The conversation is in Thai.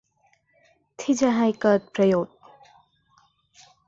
ที่จะให้เกิดประโยชน์